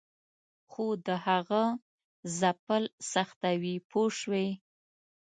خو د هغه ځپل سختوي پوه شوې!.